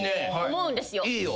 思うんですよ。